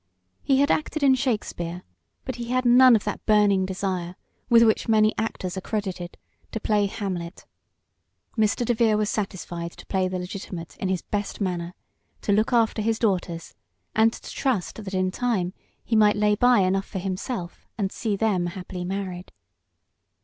He had acted in Shakespeare, but he had none of that burning desire, with which many actors are credited, to play Hamlet. Mr. DeVere was satisfied to play the legitimate in his best manner, to look after his daughters, and to trust that in time he might lay by enough for himself, and see them happily married.